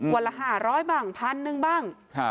วันละ๕๐๐บัง๑๐๐๐เอ้ยบ้าง